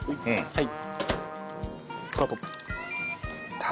はい。